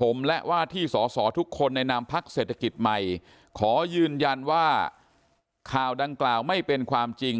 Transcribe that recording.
ผมและว่าที่สอสอทุกคนในนามพักเศรษฐกิจใหม่ขอยืนยันว่าข่าวดังกล่าวไม่เป็นความจริง